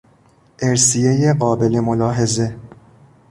ارثیهی قابل ملاحظه